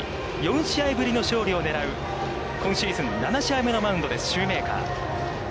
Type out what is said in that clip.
４試合ぶりの勝利を狙う今シーズン７試合目のマウンドです、シューメーカー。